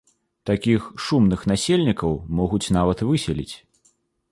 Такіх шумных насельнікаў могуць нават выселіць.